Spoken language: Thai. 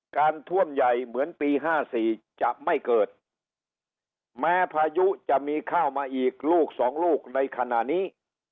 การท่วมใหญ่เหมือนปี๕๔จะไม่เกิดแม้พายุจะมีข้าวมาอีกลูกสองลูกในขณะนี้